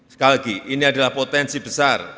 sekali lagi ini adalah potensi besar